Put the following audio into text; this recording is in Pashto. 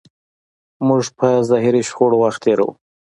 موږ په ظاهري شخړو وخت تېروو.